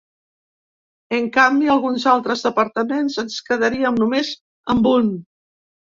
En canvi, alguns altres departaments es quedarien només amb un.